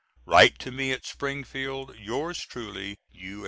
Write to me at Springfield. Yours truly, U.